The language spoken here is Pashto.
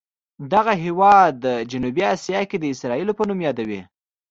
دغه هېواد جنوبي اسیا کې اسرائیلو په نوم یادوي.